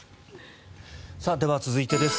では続いてです。